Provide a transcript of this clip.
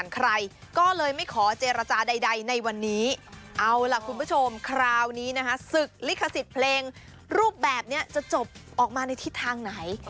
ใดใดในวันนี้เอาล่ะคุณผู้ชมคราวนี้นะฮะศึกลิขสิทธิ์เพลงรูปแบบเนี้ยจะจบออกมาในที่ทางไหน